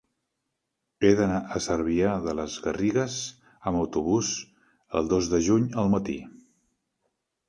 He d'anar a Cervià de les Garrigues amb autobús el dos de juny al matí.